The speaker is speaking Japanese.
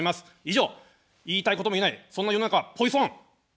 以上、言いたいことも言えない、そんな世の中はポイソン。